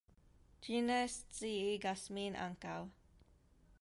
Ĝi ne sciigas min ankaŭ!